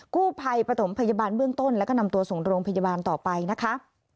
กู้ภัยปฐมพยาบาลเบื้องต้นแล้วก็นำตัวส่งโรงพยาบาลต่อไปนะคะ